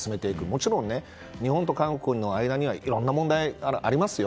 もちろん、日本と韓国の間にはいろんな問題がありますよ。